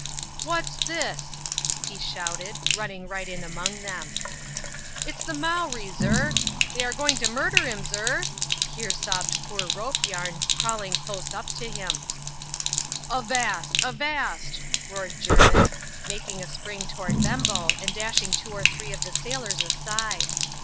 " What's this ?" he shouted, running right in among them. " It's the Mowree, zur ; they are going to murder him, zur, here sobbed poor Rope Yam, crawling close up to him. " Avast ! avast !" roared Jermin, making a spring toward Bembo, and dashing two or three of the sailors aside.